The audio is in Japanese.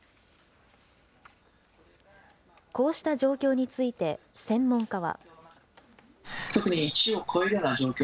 こうした状況について専門家は。